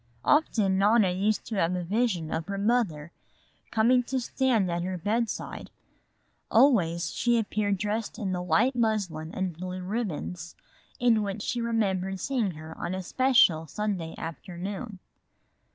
Often Nona used to have a vision of her mother coming to stand at her bedside. Always she appeared dressed in the white muslin and blue ribbons, in which she remembered seeing her on a special Sunday afternoon.